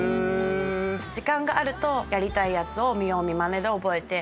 時間があるとやりたいやつを見よう見まねで覚えて。